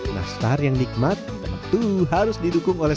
nastar yang nikmat tentu harus didukung oleh